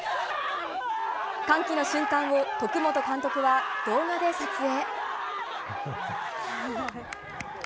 歓喜の瞬間を徳本監督は動画で撮影。